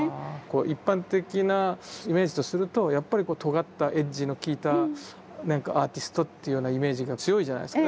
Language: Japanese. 一般的なイメージとするとやっぱりとがったエッジのきいたなんかアーティストっていうようなイメージが強いじゃないですか。